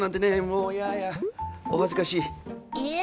もういやはやお恥ずかしいえ？